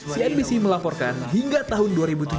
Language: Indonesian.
cnbc melaporkan hingga tahun dua ribu tujuh belas